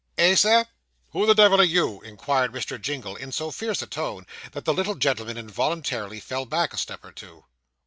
eh, sir?' 'Who the devil are you?' inquired Mr. Jingle, in so fierce a tone, that the little gentleman involuntarily fell back a step or two.